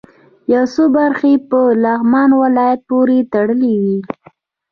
یو څه برخې یې په لغمان ولایت پورې تړلې وې.